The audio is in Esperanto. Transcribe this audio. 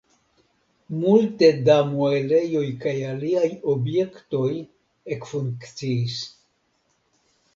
Multe da muelejoj kaj aliaj objektoj ekfunkciis.